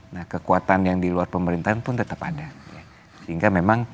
nah kekuatan yang di luar pemerintahan pun tetap ada